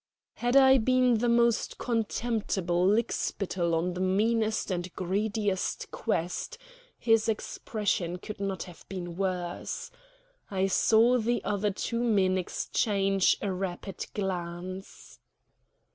Had I been the most contemptible lickspittle on the meanest and greediest quest, his expression could not have been worse. I saw the other two men exchange a rapid glance.